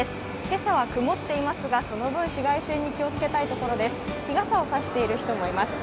今朝は曇っていますが、その分、紫外線に気をつけたいところです。